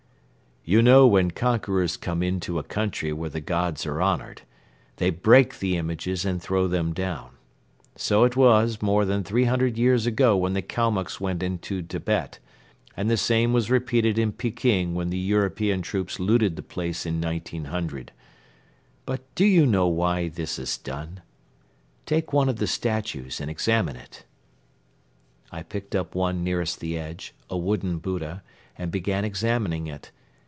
"You know when conquerors come into a country where the gods are honored, they break the images and throw them down. So it was more than three hundred years ago when the Kalmucks went into Tibet and the same was repeated in Peking when the European troops looted the place in 1900. But do you know why this is done? Take one of the statues and examine it." I picked up one nearest the edge, a wooden Buddha, and began examining it.